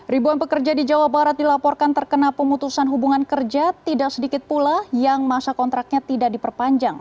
ribuan pekerja di jawa barat dilaporkan terkena pemutusan hubungan kerja tidak sedikit pula yang masa kontraknya tidak diperpanjang